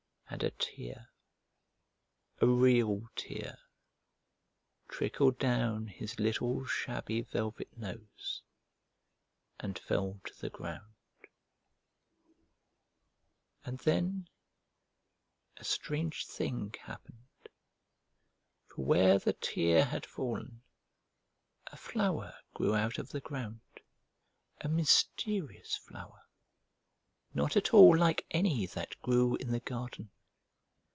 And a tear, a real tear, trickled down his little shabby velvet nose and fell to the ground. And then a strange thing happened. For where the tear had fallen a flower grew out of the ground, a mysterious flower, not at all like any that grew in the garden.